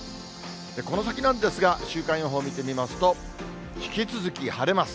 この先なんですが、週間予報見てみますと、引き続き晴れます。